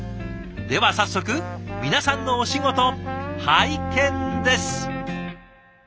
では早速皆さんのお仕事拝見です。